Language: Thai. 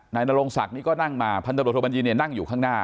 นโรงศักดิ์นี่ก็นั่งมาพันธบทโทบัญญีเนี่ยนั่งอยู่ข้างหน้า